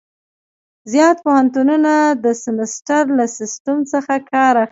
زیات پوهنتونونه د سمستر له سیسټم څخه کار اخلي.